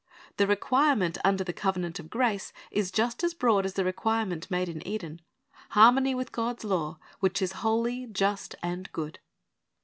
The requirement under the cov'enant of grace is just as broad as the require ment made in Eden, — harmony with God's law, which is holy, just, and good.